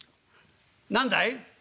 何だい？」。